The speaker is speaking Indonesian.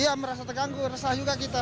iya merasa terganggu resah juga kita